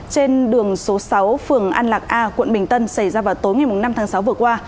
trên đường số sáu phường an lạc a quận bình tân xảy ra vào tối ngày năm tháng sáu vừa qua